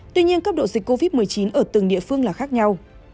tuy nhiên cấp độ dịch covid một mươi chín ở từng địa phương là khác nhau